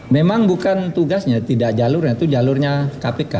memang bukan tugasnya tidak jalurnya itu jalurnya kpk